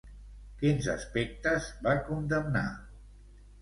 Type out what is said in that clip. Quins aspectes va condemnar?